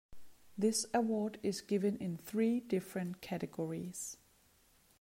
This award is given in three different categories.